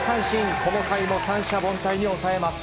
この回も三者凡退に抑えます。